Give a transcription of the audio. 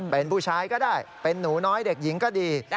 เป็นผู้ชายก็ได้เป็นหนูน้อยเด็กหญิงก็ดี